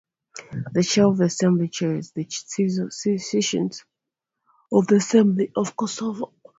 The Chair of the Assembly chairs the sessions of the Assembly of Kosovo.